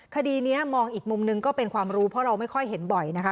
คดีนี้มองอีกมุมนึงก็เป็นความรู้เพราะเราไม่ค่อยเห็นบ่อยนะคะ